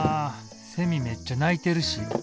セミめっちゃ鳴いてるし。